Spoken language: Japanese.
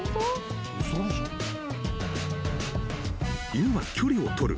［犬は距離を取る。